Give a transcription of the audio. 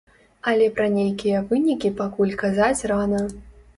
Але пра нейкія вынікі пакуль казаць рана.